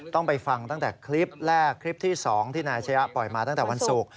ต้องไปฟังตั้งแต่คลิปแรกคลิปที่๒ที่นายชะยะปล่อยมาตั้งแต่วันศุกร์